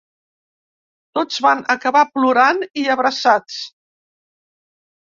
Tots van acabar plorant i abraçats.